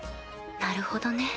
なるほどね。